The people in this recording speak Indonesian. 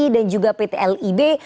dan juga pt lib